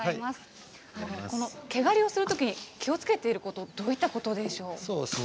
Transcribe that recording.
毛刈りをするときに気をつけていることどういったことでしょうか。